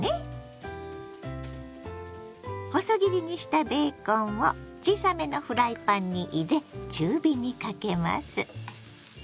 細切りにしたベーコンを小さめのフライパンに入れ中火にかけます。